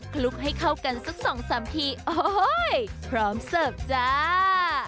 คลุกให้เข้ากันสักสองสามทีโอ้โหพร้อมเสิร์ฟจ้า